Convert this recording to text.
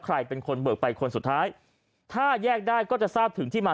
ใครเป็นคนเบิกไปคนสุดท้ายถ้าแยกได้ก็จะทราบถึงที่มา